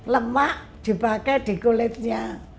lemak dipakai di kulitnya